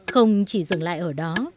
không chỉ dừng lại ở đó